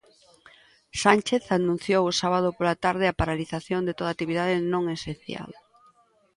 Sánchez anunciou o sábado pola tarde a paralización de toda actividade non esencial.